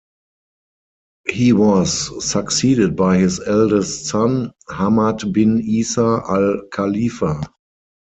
He was succeeded by his eldest son, Hamad bin Isa Al Khalifa.